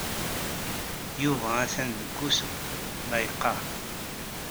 Yuba atan deg wusu, la yeqqar.